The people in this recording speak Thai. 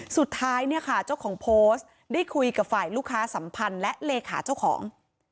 สุดท้ายเนี่ยค่ะเจ้าของโพสต์ได้คุยกับฝ่ายลูกค้าสัมพันธ์และเลขาเจ้าของ